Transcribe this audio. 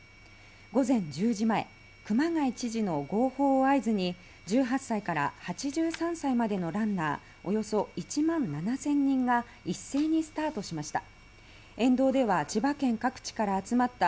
午前１０時前熊谷知事の号砲を合図に１８歳から８３歳までのランナーおよそ１万７０００人が一斉にスタートしました。